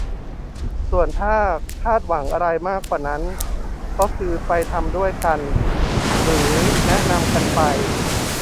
ส่วนถ้าคาดหวังอะไรมากกว่านั้นก็คือไปทำด้วยกันหรือแนะนำกันไป